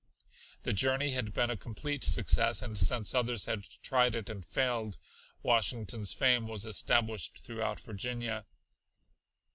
The journey had been a complete success and since others had tried it and failed, Washington's fame was established throughout Virginia.